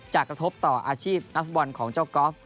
กระทบต่ออาชีพนักฟุตบอลของเจ้ากอล์ฟ